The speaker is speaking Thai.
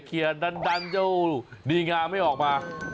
เขียนดันเจ้าดีงามไม่ออกมา